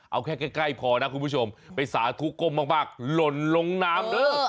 เอาแค่ใกล้พอนะคุณผู้ชมไปสาธุก้มมากหล่นลงน้ำเด้อ